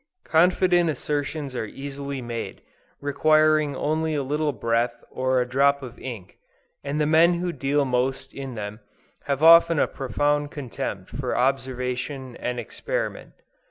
Confident assertions are easily made, requiring only a little breath or a drop of ink; and the men who deal most in them, have often a profound contempt for observation and experiment.